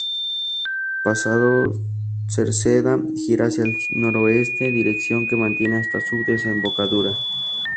Pasado Cerceda, gira hacia el noroeste, dirección que mantiene hasta su desembocadura.